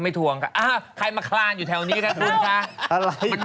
พี่จะไปทำหน้าที่แถนแองจี้